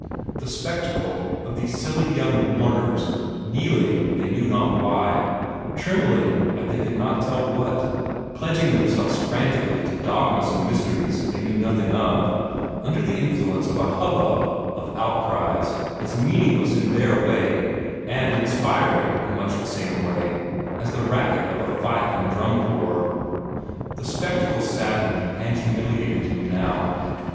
The spectacle of these silly young "mourners" kneeling they knew not why, trembling at they could not tell what, pledging themselves frantically to dogmas and mysteries they knew nothing of, under the influence of a hubbub of outcries as meaningless in their way, and inspiring in much the same way, as the racket of a fife and drum corps the spectacle saddened and humiliated him now.